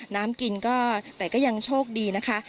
น้ำกินก็แต่ก็ยังโชคดีนะคะ